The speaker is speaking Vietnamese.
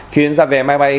khiến ra vé máy bay